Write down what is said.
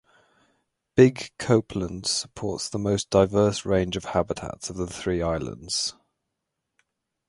Big Copeland supports the most diverse range of habitats of the three islands.